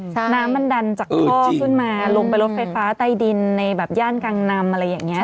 น้ำมันดันจากท่อขึ้นมาลงไปรถไฟฟ้าใต้ดินในแบบย่านกังนำอะไรอย่างนี้